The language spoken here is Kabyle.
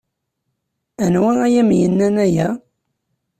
Anwa ay am-yennan aya?